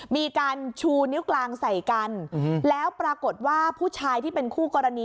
มีการชูนิ้วกลางใส่กันแล้วปรากฏว่าผู้ชายที่เป็นคู่กรณี